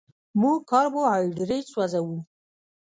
موږ کاربوهایډریټ سوځوو